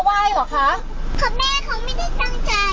อเรนนี่พอแม่เค้าไม่ได้ตั้งใจหรอ